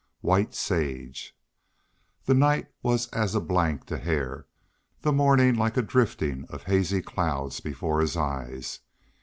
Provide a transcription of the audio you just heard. WHITE SAGE THE night was as a blank to Hare; the morning like a drifting of hazy clouds before his eyes.